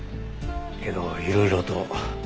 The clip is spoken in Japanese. けどいろいろと。